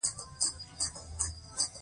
دغو ټولو شیانو د خزان منظرې توپیر کړی وو.